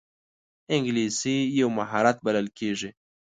انګلیسي یو مهارت بلل کېږي